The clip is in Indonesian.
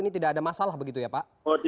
ini tidak ada masalah begitu ya pak